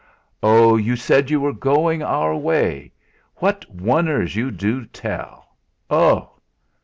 "Oh! you said you were going our way! What one ers you do tell! Oh!"